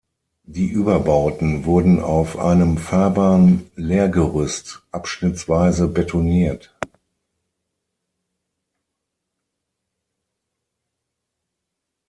Die Überbauten wurden auf einem fahrbaren Lehrgerüst abschnittsweise betoniert.